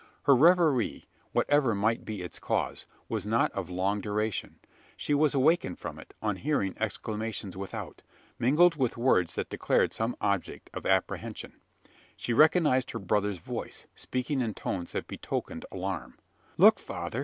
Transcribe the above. Her reverie whatever might be its cause was not of long duration. She was awakened from it, on hearing exclamations without mingled with words that declared some object of apprehension. She recognised her brother's voice, speaking in tones that betokened alarm. "Look, father!